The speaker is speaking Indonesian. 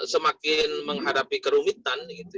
semakin menghadapi kerumitan